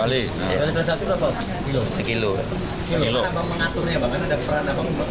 bagaimana bang mengaturnya bagaimana ada peran